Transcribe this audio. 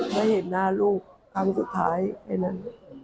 ให้เห็นหน้าลูกครั้งสุดท้ายไอ้นั่น